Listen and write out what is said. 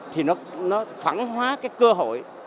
thì nó phản hóa cái cơ hội